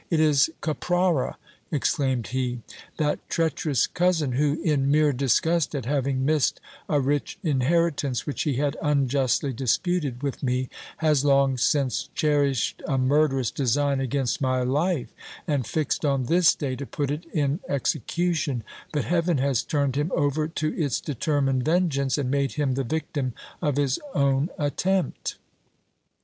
It is Caprara, exclaimed he ; that treacherous cousin who, in mere disgust at having missed a rich inheritance which he had unjustly disputed with me, has long since cherished a murderous design against my life, and fixed on this day to put it in execution ; but heaven has turned him over to its determined vengeance, and made him the victim of his own attempt.